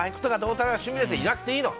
なくていいの。